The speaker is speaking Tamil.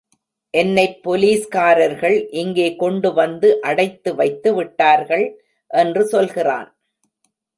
என்னைப் போலீஸ்காரர்கள் இங்கே கொண்டு வந்து அடைத்து வைத்து விட்டார்கள் என்று சொல்கிறான்.